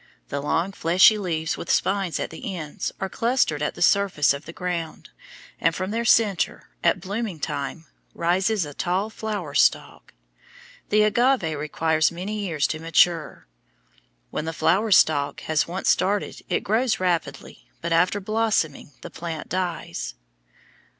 The long fleshy leaves with spines at the ends are clustered at the surface of the ground, and from their centre, at blooming time, rises a tall flower stalk. The agave requires many years to mature. When the flower stalk has once started it grows rapidly, but after blossoming the plant dies.